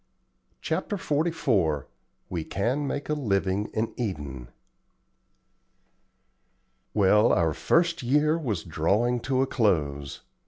CHAPTER XLIV WE CAN MAKE A LIVING IN EDEN Well, our first year was drawing to a close.